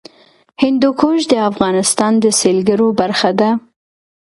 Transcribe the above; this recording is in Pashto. هندوکش د افغانستان د سیلګرۍ برخه ده.